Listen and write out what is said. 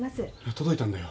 届いたんだよ。